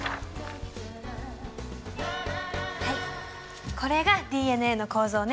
はいこれがＤＮＡの構造ね。